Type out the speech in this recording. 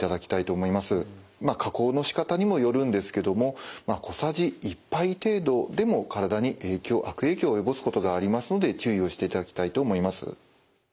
加工のしかたにもよるんですけども小さじ１杯程度でも体に悪影響を及ぼすことがありますので注意をしていただきたいと思います。